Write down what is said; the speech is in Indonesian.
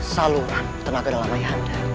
saluran tenaga dalam ayah anda